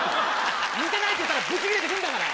「似てない」って言ったらブチギレてくるんだから。